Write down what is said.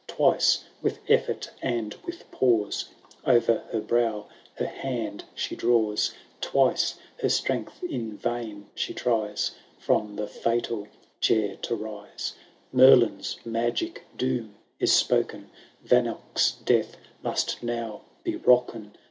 Twice, with effort and with pause. O'er her brow her hand she draws ;• Twice her strength in vain tike tries^ From the &tal chair to rise ; Merlin's magic doom is spoken, * Yanoc's death must now be wroken.